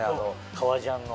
革ジャンの。